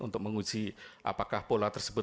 untuk menguji apakah pola tersebut